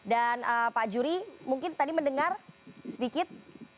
dan pak juri mungkin tadi mendengar sedikit